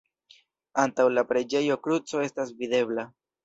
Antaŭ la preĝejo kruco estas videbla.